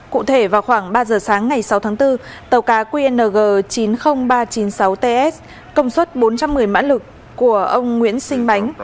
cụ thể vào khoảng ba giờ sáng ngày sáu tháng bốn tàu cá qng chín mươi nghìn ba trăm chín mươi sáu ts công suất bốn trăm một mươi mã lực của ông nguyễn sinh bánh